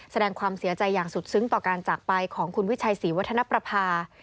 แสดงความเสียใจอย่างสุดซึ้งต่อการจากไปของคุณวิชัยศรีวัฒนประภา